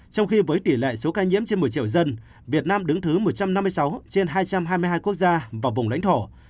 trong khi với tỷ lệ số ca nhiễm trên một mươi triệu dân việt nam đứng thứ một trăm năm mươi sáu trên hai trăm hai mươi hai quốc gia và vùng lãnh thổ